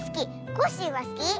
コッシーはすき？